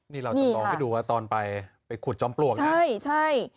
นี่เราจำลองให้ดูว่าตอนไปไปขุดจอมปลวกนะใช่ใช่